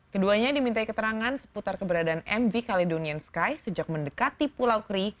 keduanya dimintai keterangan seputar keberadaan mv caledonian sky sejak mendekati pulau kri